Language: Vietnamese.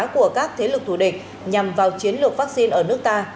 của các thế lực thủ địch nhằm vào chiến lược vắc xin ở nước ta